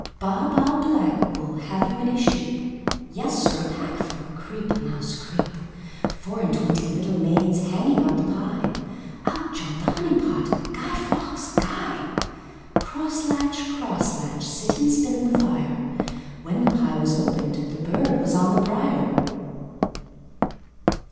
ChorusBa ba, black wool, Have you any sheep? Yes, sir, a packfull, Creep, mouse, creep! Four and twenty little maidsHanging out the pie, Out jump'd the honey pot, Guy Fawkes, Guy! Cross latch, cross latch, Sit and spin the fire; When the pie was open'd, The bird was on the brier!